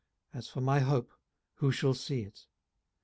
as for my hope, who shall see it?